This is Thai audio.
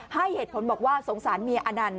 ให้เหตุผลบอกว่าสงสารเมียอนันต